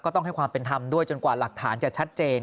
ต้องให้ความเป็นธรรมด้วยจนกว่าหลักฐานจะชัดเจน